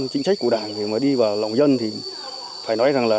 chính trách của đảng để mà đi vào lòng dân thì phải nói rằng là